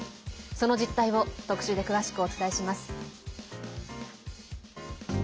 その実態を特集で詳しくお伝えします。